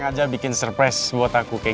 gak ada waktu buat foto